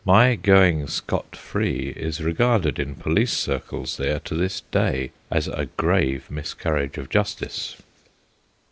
My going scot free is regarded in police circles there to this day as a grave miscarriage of justice.